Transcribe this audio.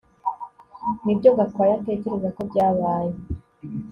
Nibyo Gakwaya atekereza ko byabaye